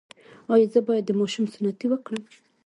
ایا زه باید د ماشوم سنتي وکړم؟